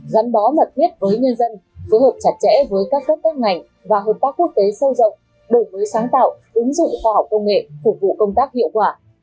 gắn bó mật thiết với nhân dân phối hợp chặt chẽ với các cấp các ngành và hợp tác quốc tế sâu rộng đổi mới sáng tạo ứng dụng khoa học công nghệ phục vụ công tác hiệu quả